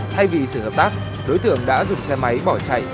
thay vì sự hợp tác đối tượng đã dùng xe máy bỏ chạy